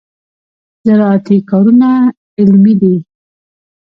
زراعتي کارونه علمي دي.